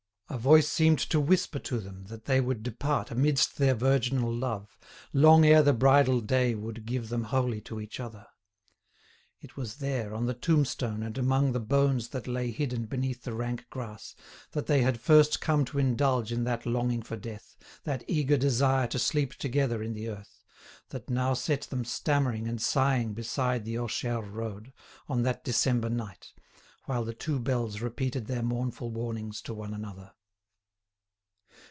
A voice seemed to whisper to them that they would depart amidst their virginal love, long ere the bridal day would give them wholly to each other. It was there, on the tombstone and among the bones that lay hidden beneath the rank grass, that they had first come to indulge in that longing for death, that eager desire to sleep together in the earth, that now set them stammering and sighing beside the Orcheres road, on that December night, while the two bells repeated their mournful warnings to one another.